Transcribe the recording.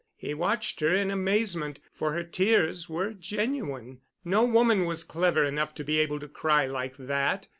He watched her in amazement, for her tears were genuine. No woman was clever enough to be able to cry like that.